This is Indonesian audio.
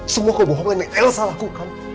semua kebohongan yang elsa lakukan